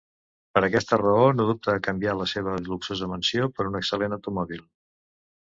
Per aquesta raó, no dubta a canviar la seva luxosa mansió per un excel·lent automòbil.